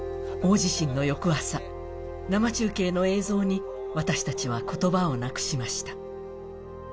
大地震の翌朝生中継の映像に私達は言葉をなくしました